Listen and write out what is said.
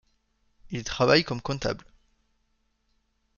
Il travaille comme comptable.